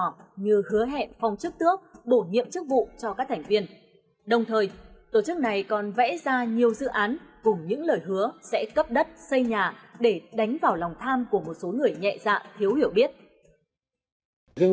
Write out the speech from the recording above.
như hứa hẹn phòng chức tước bổ nhiệm chức vụ cho các thành viên